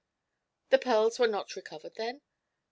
"The pearls were not recovered, then?"